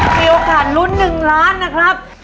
มีโอกาสลุ้น๑ล้านนะครับ